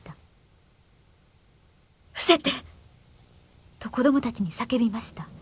『伏せて！』と子どもたちに叫びました。